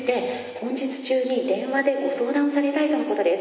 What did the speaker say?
「本日中に電話でご相談をされたいとのことです」。